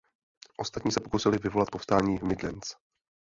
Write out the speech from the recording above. Ostatní se pokusili vyvolat povstání v Midlands.